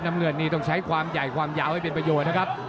น้ำเงินนี่ต้องใช้ความใหญ่ความยาวให้เป็นประโยชน์นะครับ